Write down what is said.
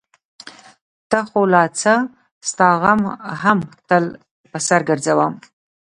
ته خو لا څه؛ ستا غم هم تل په سر ګرځوم.